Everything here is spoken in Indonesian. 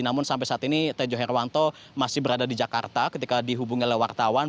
namun sampai saat ini tejo herwanto masih berada di jakarta ketika dihubungi oleh wartawan